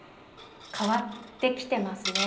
変わってきてますね。